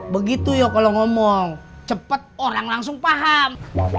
begitu ya kalau ngomong cepat orang langsung paham